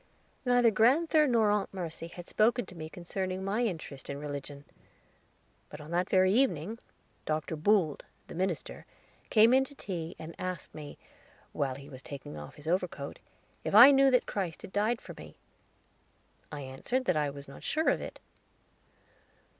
Neither grand'ther nor Aunt Mercy had spoken to me concerning my interest in Religion; but on that very evening Mr. Boold, the minister, came in to tea and asked me, while he was taking off his overcoat, if I knew that Christ had died for me? I answered that I was not sure of it.